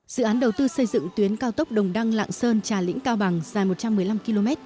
dự án đầu tư xây dựng tuyến cao tốc đồng đăng lạng sơn trà lĩnh cao bằng dài một trăm một mươi năm km